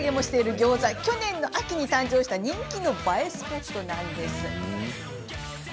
去年の秋に誕生した人気の映えスポットです。